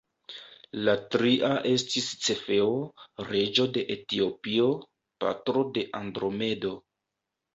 La tria estis Cefeo, reĝo de Etiopio, patro de Andromedo.